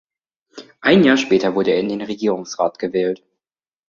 Ein Jahr später wurde er in den Regierungsrat gewählt.